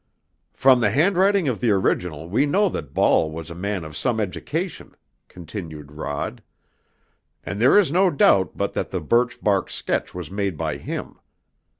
"From the handwriting of the original we know that Ball was a man of some education," continued Rod. "And there is no doubt but that the birch bark sketch was made by him.